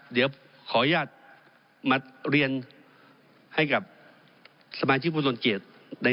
เดี๋ยวขออนุญาตมาเรียนให้กับสมาชิกผู้ทรงเกียจ